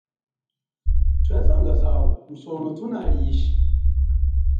Thwezanga zawu musono thunali ishi.